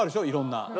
いろんな。